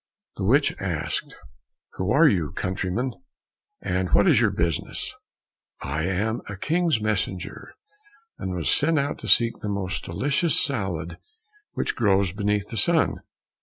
The witch asked, "Who are you, countryman, and what is your business?" "I am a King's messenger, and was sent out to seek the most delicious salad which grows beneath the sun.